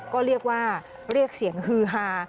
ก็เรียกว่าเรียกเสียงฮือฮา